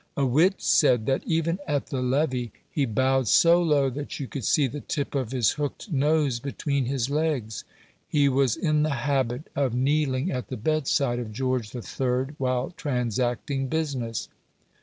A wit said that, even at the levee, he bowed so low that you could see the tip of his hooked nose between his legs. He was in the habit of kneeling at the bedside of George III. while transacting business.